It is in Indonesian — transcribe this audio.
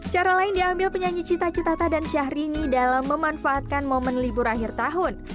cara lain diambil penyanyi cita cita tadan syahrini dalam memanfaatkan momen libur akhir tahun